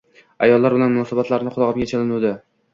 Ayollar bilan munosabatlari qulog`imga chalinuvdi